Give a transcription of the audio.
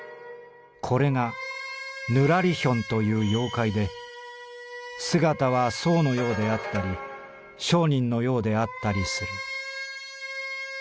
これがぬらりひょんという妖怪で姿は僧のようであったり商人のようであったりする」。